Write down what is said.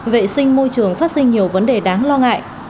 vệ sinh môi trường phát sinh nhiều vấn đề đáng lo ngại